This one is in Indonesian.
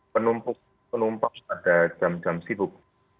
penumpukan penumpang pada jam jam sibuk